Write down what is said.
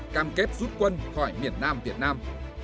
cam kết rút quân khỏi miền nam việt nam